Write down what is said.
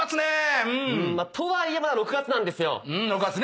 とはいえまだ６月なんですよ。